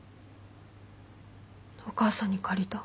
お母さんに借りた。